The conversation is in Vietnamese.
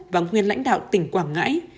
và lãnh đạo tỉnh quảng ngãi